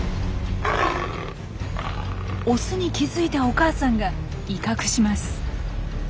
オスに気付いたお母さんが威嚇します。